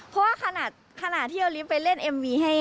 เพราะว่าขณะที่โอลิฟต์ไปเล่นเอ็มวี